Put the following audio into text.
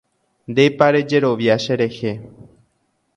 Ndépa rejerovia cherehe.